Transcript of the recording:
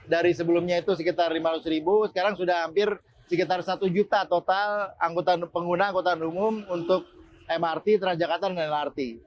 dari sebelumnya itu sekitar lima ratus ribu sekarang sudah hampir sekitar satu juta total pengguna angkutan umum untuk mrt transjakarta dan lrt